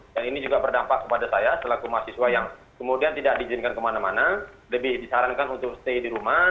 dan ini juga berdampak kepada saya selaku mahasiswa yang kemudian tidak diizinkan kemana mana lebih disarankan untuk stay di rumah